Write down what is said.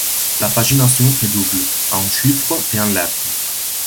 La pagination est double : en chiffres et en lettres.